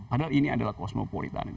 padahal ini adalah kosmopolitan